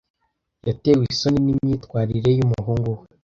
Yatewe isoni n imyitwarire yumuhungu we.